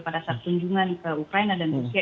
pada saat kunjungan ke ukraina dan rusia